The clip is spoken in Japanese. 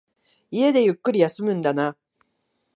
家でゆっくり休むんだな。